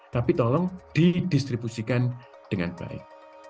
tapi tolong didistribusikan dengan baik